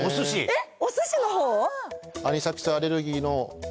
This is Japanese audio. えっ！